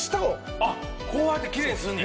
あっこうやってきれいにすんねや。